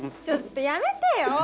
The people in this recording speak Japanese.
ちょっとやめてよ！